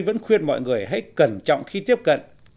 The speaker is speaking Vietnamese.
vẫn khuyên mọi người hãy cẩn trọng khi tiếp cận